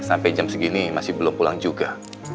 sampai jam segini masih belum pulang juga